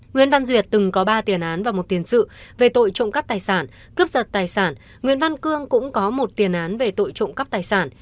nguyễn văn duyệt từng có ba tiền án và một tiền sự về tội trộm cắp tài sản cướp giật tài sản nguyễn văn cương cũng có một tiền án về tội trộm cắp tài sản